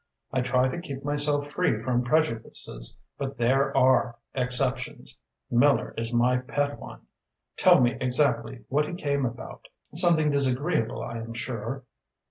I try to keep myself free from prejudices, but there are exceptions. Miller is my pet one. Tell me exactly what he came about? Something disagreeable, I am sure?"